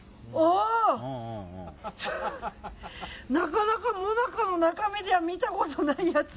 なかなか、もなかの中身では見たことないやつ。